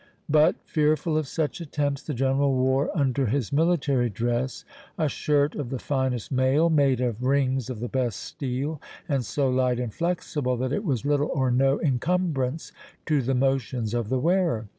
But, fearful of such attempts, the General wore under his military dress a shirt of the finest mail, made of rings of the best steel, and so light and flexible that it was little or no encumbrance to the motions of the wearer.